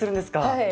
はい。